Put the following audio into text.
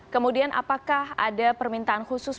kemudian apakah ada permintaan khusus